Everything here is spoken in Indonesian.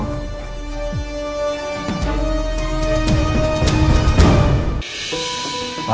pak belum maaf